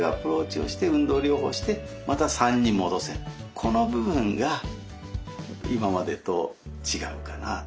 この部分が今までと違うかな。